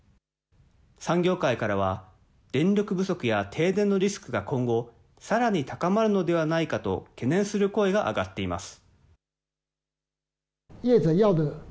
産業界からは電力不足や停電のリスクが今後さらに高まるのではないかと懸念する声が上がっています。